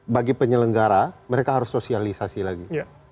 bagi penyelenggara mereka harus sosialisasi lagi